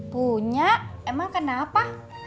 punya emang kenapa